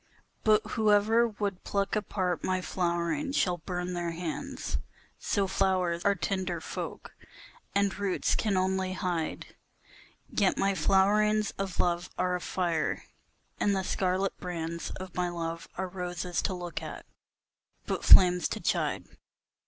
But whosoever would pluck apart my flowering shall burn their hands, So flowers are tender folk, and roots can only hide, Yet my flowerings of love are a fire, and the scarlet brands Of my love are roses to look at, but flames to chide.